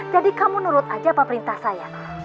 jadi kamu nurut aja apa perintah saya